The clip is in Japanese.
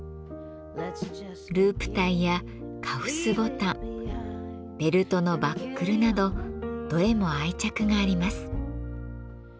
ループタイやカフスボタンベルトのバックルなどどれも愛着があります。